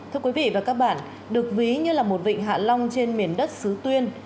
thưa quý vị và các bạn được ví như là một vịnh hạ long trên miền đất xứ tuyên